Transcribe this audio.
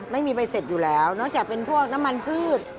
ไม่มีใบเสร็จอยู่แล้วนอกจากเป็นพวกน้ำมันพืช